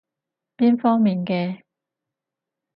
邊方面嘅？